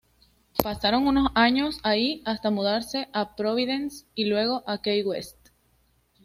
Pasaron unos años ahí hasta mudarse a Providence y luego a Key West.